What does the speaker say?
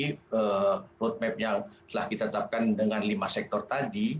jadi roadmap yang telah kita tetapkan dengan lima sektor tadi